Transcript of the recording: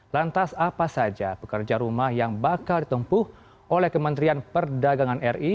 lantas apa saja pekerja rumah yang bakal ditempuh oleh kementerian perdagangan ri